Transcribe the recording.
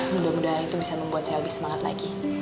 mudah mudahan itu bisa membuat saya lebih semangat lagi